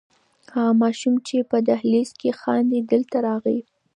هغه ماشوم چې په دهلېز کې خاندي دلته راغی.